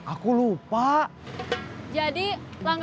aku mau beli cilok